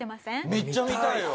めっちゃ見たいよ！